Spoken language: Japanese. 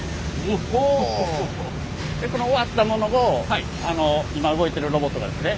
その終わったものを今動いてるロボットがですね